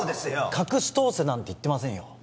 隠し通せなんて言ってませんよ